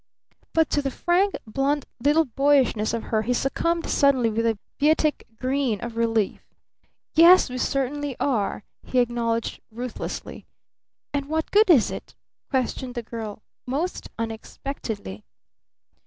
But to the frank, blunt, little boyishness of her he succumbed suddenly with a beatific grin of relief. "Yes, we certainly are!" he acknowledged ruthlessly. "And what good is it?" questioned the girl most unexpectedly.